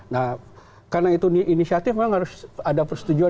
nah karena itu inisiatif memang harus ada persetujuan